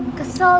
nggak ada apa apa